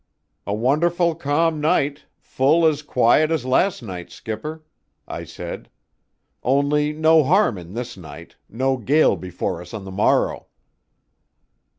"A wonderful calm night, full as quiet as last night, skipper," I said, "only no harm in this night no gale before us on the morrow."